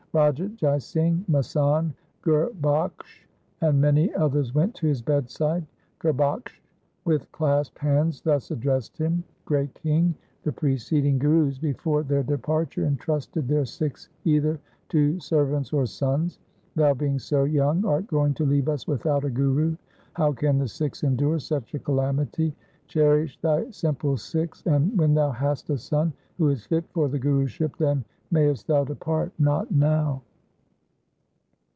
Raja Jai Singh, masand Gurbakhsh, and many others went to his bedside. Gurbakhsh with clasped hands thus addressed him —' Great king, the pre ceding Gurus before their departure entrusted their Sikhs either to servants or sons. Thou being so young art going to leave us without a Guru. How can the Sikhs endure such a calamity ? Cherish thy simple Sikhs, and, when thou hast a son who is fit for the Guruship, then mayest thou depart, not now.'